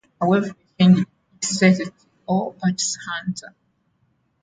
However, it changed its title to "O-Parts Hunter".